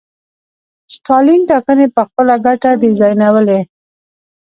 ستالین ټاکنې په خپله ګټه ډیزاینولې.